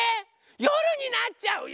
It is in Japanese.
よるになっちゃうよ！